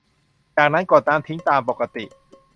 จากนั้นก็กดน้ำทิ้งตามปกติ